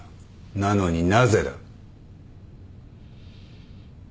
なのになぜだ。